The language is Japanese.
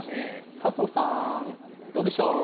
佐藤さん、どうでしょう。